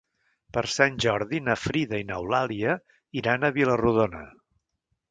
Per Sant Jordi na Frida i n'Eulàlia iran a Vila-rodona.